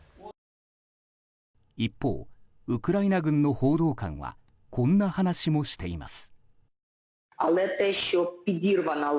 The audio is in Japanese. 一方、ウクライナ軍の報道官はこんな話もしています。